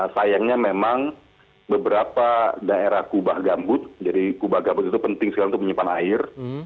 sayangnya memang beberapa daerah kubah gambut jadi kubah gambut itu penting sekali untuk menyimpan air